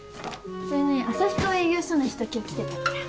それね旭川営業所の人今日来てたから。